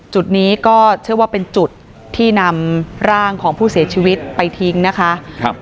จุดนี้ก็เชื่อว่าเป็นจุดที่นำร่างของผู้เสียชีวิตไปทิ้งนะคะครับ